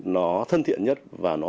nó thân thiện nhất và nó